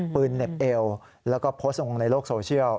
เหน็บเอวแล้วก็โพสต์ลงในโลกโซเชียล